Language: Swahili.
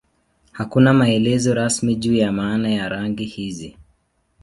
Hakuna maelezo rasmi juu ya maana ya rangi hizi.